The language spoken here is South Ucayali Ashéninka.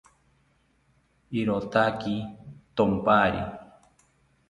Irotaki thonpari